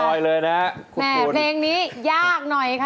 อ๋าเรียบร้อยค่ะเพลงนี้ยากหน่อยนะคะ